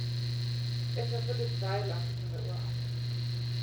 Etwa viertel zwei las sie von der Uhr ab.